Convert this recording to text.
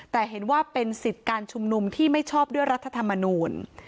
แต่เห็นว่าเป็นสิทธิ์การชุมนุมที่ไม่ชอบด้วยรัฐธรรมนูล